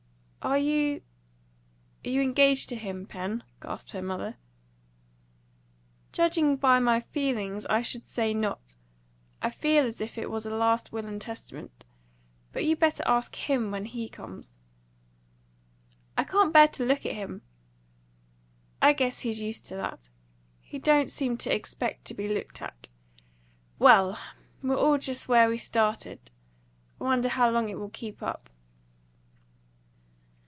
"Are you are you engaged to him, Pen?" gasped her mother. "Judging by my feelings, I should say not. I feel as if it was a last will and testament. But you'd better ask him when he comes." "I can't bear to look at him." "I guess he's used to that. He don't seem to expect to be looked at. Well! we're all just where we started. I wonder how long it will keep up."